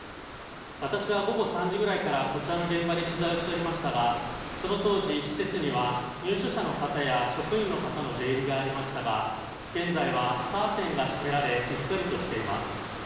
私は午後３時ぐらいからこちらの現場で取材をしておりましたが、その当時、施設には入所者の方や職員の方の出入りがありましたが現在はカーテンが閉められひっそりとしています。